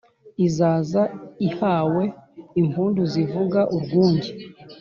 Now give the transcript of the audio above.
Izaza ihawe impundu zivuga urwunge.